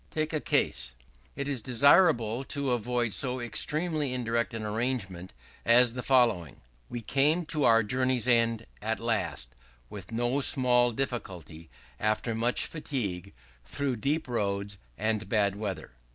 Take a case. It is desirable to avoid so extremely indirect an arrangement as the following: "We came to our journey's end, at last, with no small difficulty after much fatigue, through deep roads, and bad weather."